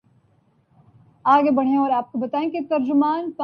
پھر لکشمی چوک میں جا کے پھنس گیا۔